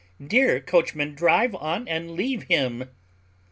Dear coachman, drive on and leave him."